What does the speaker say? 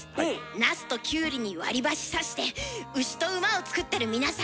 なすときゅうりに割り箸さして牛と馬を作ってる皆さん。